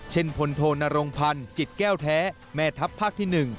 พลโทนรงพันธ์จิตแก้วแท้แม่ทัพภาคที่๑